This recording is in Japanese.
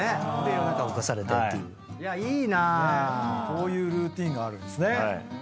こういうルーティンがあるんですね。